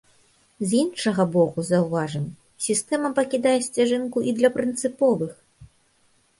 З іншага боку, заўважым, сістэма пакідае сцяжынку і для прынцыповых.